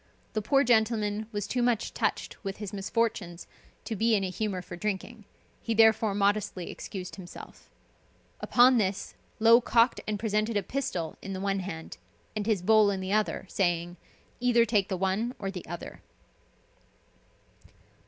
The poor gentleman was too much touched with his misfortunes to be in a humor for drinking, he therefore modestly excused himself. Upon this Low cocked and presented a pistol in the one hand, and his bowl in the other, saying, "Either take the one or the other."